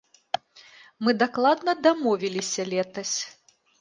Мы дакладна дамовіліся летась!